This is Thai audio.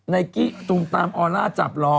ไนกี้ตุมตามออร่าจับหล่อ